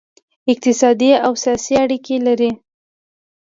اقتصادي او سیاسي اړیکې لري